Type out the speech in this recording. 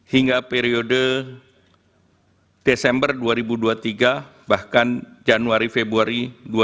hingga periode desember dua ribu dua puluh tiga bahkan januari februari dua ribu dua puluh